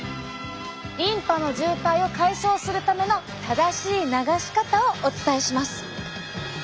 リンパの渋滞を解消するための正しい流し方をお伝えします。